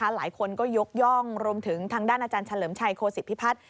หลายคนก็ยกย่องรวมถึงทางด้านอาจารย์เฉลิมชัยโคศิพิพัฒน์